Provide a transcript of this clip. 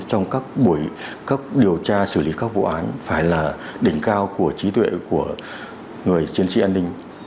trong các buổi cấp điều tra xử lý các vụ án phải là đỉnh cao của trí tuệ của người chiến sĩ an ninh